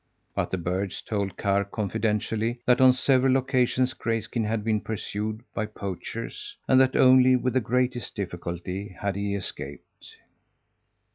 But the birds told Karr confidentially that on several occasions Grayskin had been pursued by poachers, and that only with the greatest difficulty had he escaped.